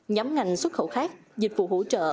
nhắm ngành xuất khẩu khác dịch vụ hỗ trợ